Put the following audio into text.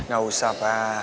gak usah pa